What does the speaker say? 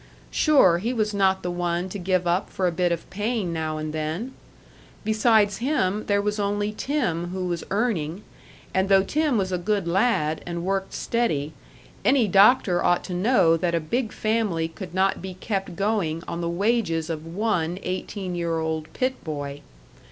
Sure, he was not the one to give up for a bit of pain now and then! Besides him, there was only Tim who was earning; and though Tim was a good lad, and worked steady, any doctor ought to know that a big family could not be kept going on the wages of one eighteen year old pit boy.